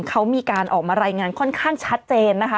เขามีการออกมารายงานค่อนข้างชัดเจนนะคะ